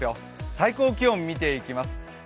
最高気温を見ていきます。